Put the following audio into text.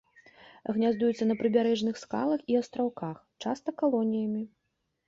Гняздуецца на прыбярэжных скалах і астраўках, часта калоніямі.